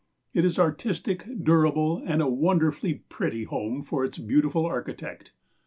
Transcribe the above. It is artistic, durable and a wonderfully pretty home for its beautiful architect.